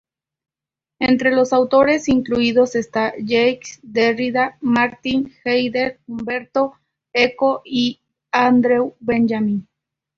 Entre los autores incluidos están: Jacques Derrida, Martin Heidegger, Umberto Eco y Andrew Benjamín.